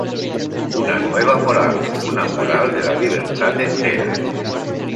Una nueva moral, una moral de la libertad entera.